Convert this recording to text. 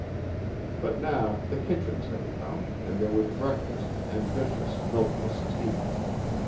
But now the kitchens had come, and there was breakfast and viscous, milkless tea.